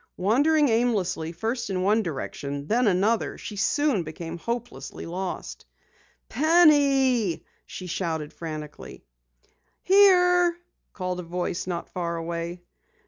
Wandering aimlessly first in one direction, then another, she soon became hopelessly lost. "Penny!" she shouted frantically. "Here!" called a voice not far away.